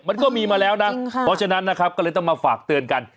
มันก็มีมาแล้วนะเพราะฉะนั้นนะครับก็เลยต้องมาฝากเตือนกัน